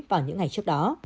vào những ngày trước đó